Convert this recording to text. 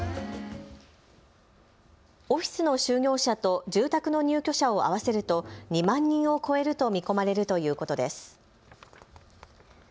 オフィスの就業者と住宅の入居者を合わせると２万人を超えると見込まれるということです。